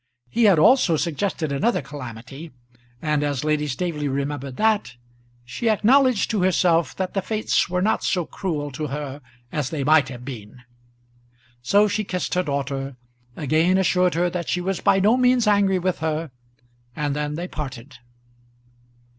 He had also suggested another calamity, and as Lady Staveley remembered that, she acknowledged to herself that the Fates were not so cruel to her as they might have been. So she kissed her daughter, again assured her that she was by no means angry with her, and then they parted.